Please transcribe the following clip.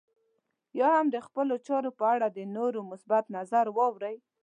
يا هم د خپلو چارو په اړه د نورو مثبت نظر واورئ.